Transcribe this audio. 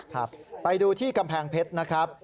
ครับไปดูที่กำแพงเพชรนะครับ